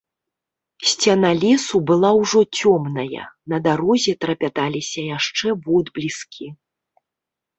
Сцяна лесу была ўжо цёмная, на дарозе трапяталіся яшчэ водбліскі.